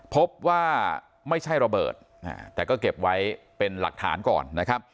พบว่าไม่ใช่ระเบิดแต่ก็เก็บไว้เป็นหลักฐานก่อนนะครับ